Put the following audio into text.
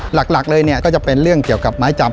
หลักเลยเนี่ยก็จะเป็นเรื่องเกี่ยวกับไม้จับ